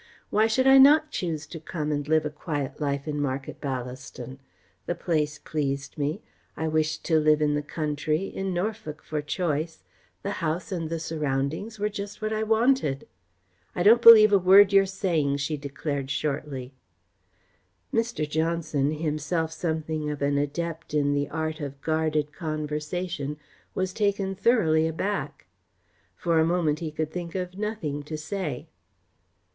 Why should I not choose to come and live a quiet life in Market Ballaston? The place pleased me. I wished to live in the country in Norfolk for choice the house and the surroundings were just what I wanted." "I don't believe a word you're saying," she declared shortly. Mr. Johnson, himself something of an adept in the art of guarded conversation, was taken thoroughly aback. For a moment he could think of nothing to say.